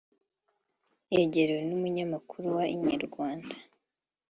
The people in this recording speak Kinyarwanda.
yegerewe n'umunyamakuru wa Inyarwanda